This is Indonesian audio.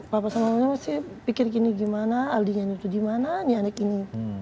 papa sama mama sih pikir gini gimana aldinya itu di mana ini anak ini